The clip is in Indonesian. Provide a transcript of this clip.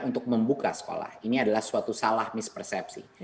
untuk membuka sekolah ini adalah suatu salah mispersepsi